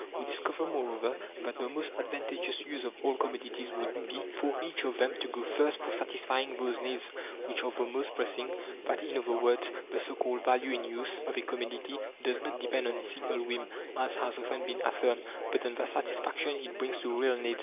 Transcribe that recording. We discover, moreover, that the most advantageous use of all commodities would be, for each of them, to go, first, for satisfying those needs which are the most pressing: that, in other words, the so called "value in use" of a commodity does not depend on a simple whim, as has often been affirmed, but on the satisfaction it brings to real needs.